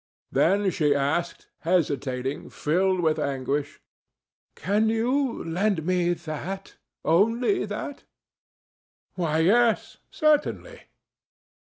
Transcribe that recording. Then she asked, hesitating, filled with anguish: "Can you lend me that, only that?" "Why, yes, certainly."